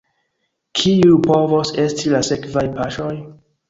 Kiuj povos esti la sekvaj paŝoj?